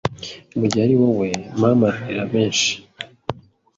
Mugihe ari wowe mama ararira menshi